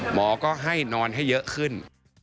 หมอก็ให้นอนให้เยอะขึ้น